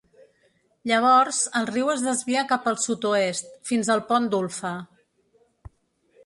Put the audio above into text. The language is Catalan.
Llavors, el riu es desvia cap al sud-oest fins al pont d'Ulpha.